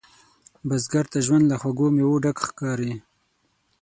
بزګر ته ژوند له خوږو میوو ډک ښکاري